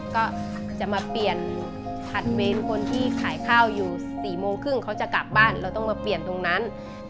ก็จะมาเปลี่ยนพาร์ทเมนต์คนที่ขายข้าวอยู่๔โมงครึ่งเขาจะกลับบ้านเราต้องมาเปลี่ยนตรงนั้น